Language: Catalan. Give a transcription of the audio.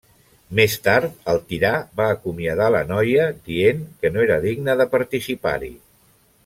Més tard, el tirà va acomiadar la noia dient que no era digna de participar-hi.